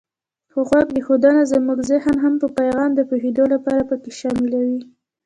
خو غوږ ایښودنه زمونږ زهن هم په پیغام د پوهېدو لپاره پکې شاملوي.